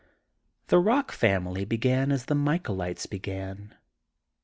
/ The Bock family began as the Michaelites began.